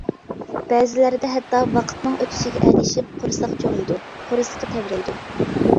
بەزىلەردە ھەتتا ۋاقىتنىڭ ئۆتىشىگە ئەگىشىپ قورساق چوڭىيىدۇ، قورسىقى تەۋرەيدۇ.